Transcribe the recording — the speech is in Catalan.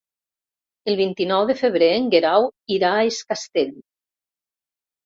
El vint-i-nou de febrer en Guerau irà a Es Castell.